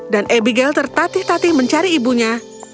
dan abigail tertatih tatih mencari ibunya